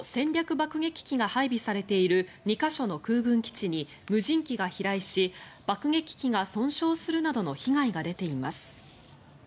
爆撃機が配備されている２か所の空軍基地に無人機が飛来し爆撃機が損傷するなどの被害が出ています。